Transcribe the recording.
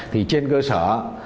thì trên cơ sở